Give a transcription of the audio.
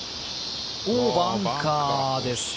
バンカーですか。